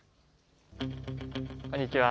こんにちは。